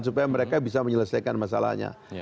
supaya mereka bisa menyelesaikan masalahnya